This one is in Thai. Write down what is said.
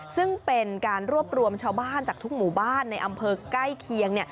ซึ่งเป็นการรวบรวมชาวบ้านจากทุกหมู่บ้านในอำเภอใกล้เคียง